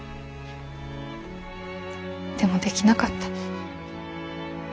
でもできなかった。